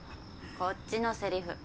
こっちのセリフ。